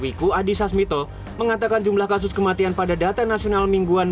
wiku adhisa smito mengatakan jumlah kasus kematian pada data nasional mingguan